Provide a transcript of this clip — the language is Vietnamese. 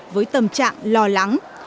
với tâm trạng lo lắng